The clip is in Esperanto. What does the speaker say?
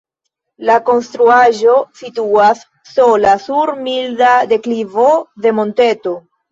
La konstruaĵo situas sola sur milda deklivo de monteto.